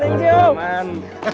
terima kasih eman